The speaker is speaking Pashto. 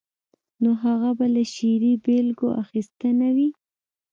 نو هغه به له شعري بېلګو اخیستنه وي.